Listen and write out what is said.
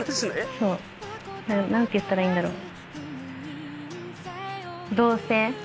そう何て言ったらいいんだろう。